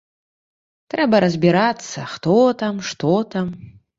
Трэба разбірацца, хто там, што там.